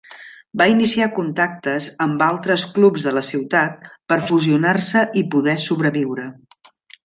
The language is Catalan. Va iniciar contactes amb altres clubs de la ciutat per fusionar-se i poder sobreviure.